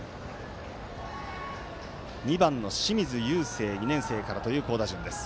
２番の清水友惺２年生からという好打順です。